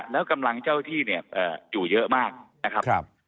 แล้วกำลังเจ้าที่เนี่ยอยู่เยอะมากนะครับ